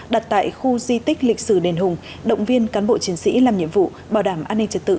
đặt tại khu di tích lịch sử đền hùng động viên cán bộ chiến sĩ làm nhiệm vụ bảo đảm an ninh trật tự